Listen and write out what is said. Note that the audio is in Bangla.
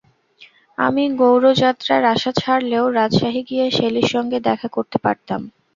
আমি গৌড় যাত্রার আশা ছাড়লেও রাজশাহী গিয়ে শেলীর সঙ্গে দেখা করতে পারলাম।